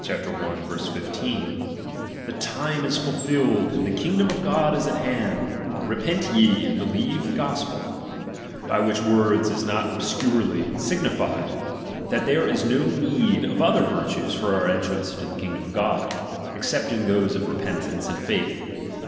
15): The time is fa lulled, and the kingdom of God is at hand; repent ye, and be we the gospel; by which words is not obscurely I 302 RELIGION. '.xviii signified, that there is no need of other virtues for ■"' our entrance into the kingdom of God, excepting those of repentance and faith.